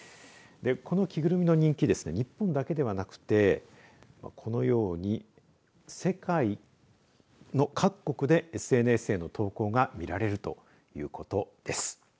この着ぐるみの人気日本だけではなくてこのように世界の各国でＳＮＳへの投稿が見られるということです。